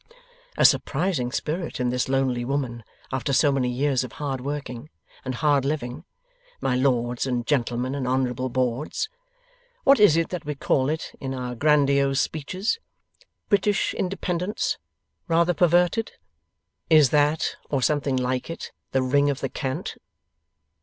A surprising spirit in this lonely woman after so many years of hard working, and hard living, my Lords and Gentlemen and Honourable Boards! What is it that we call it in our grandiose speeches? British independence, rather perverted? Is that, or something like it, the ring of the cant?